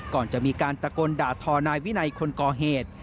ก่อนจะมีการตะโกนด่าทอนายวินัยคนก่อเหตุ